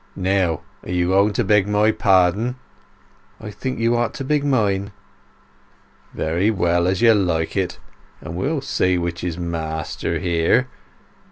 Now, are you going to beg my pardon?" "I think you ought to beg mine." "Very well—as you like. But we'll see which is master here.